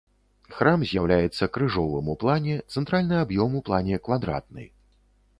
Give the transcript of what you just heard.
Храм з'яўляецца крыжовым у плане, цэнтральны аб'ём у плане квадратны.